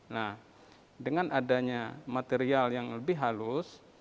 nah dengan adanya material yang lebih halus